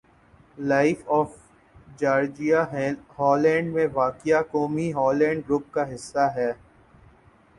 life of Georgia Holland میں واقع قومی ہالینڈ گروپ کا حصّہ ہے